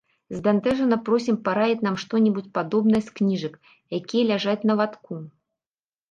Збянтэжана просім параіць нам што-небудзь падобнае з кніжак, якія ляжаць на латку.